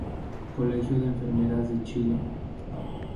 Colegio de Enfermeras de Chile.